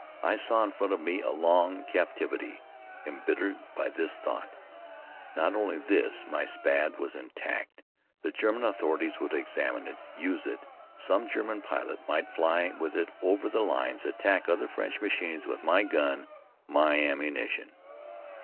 I saw in front of me a long captivity embittered by this thought. Not only this: my Spad was intact. The German authorities would examine it, use it. Some German pilot might fly with it over the lines, attack other French machines with my gun, my ammunition!